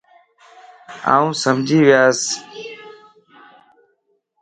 آن سمجھي وياس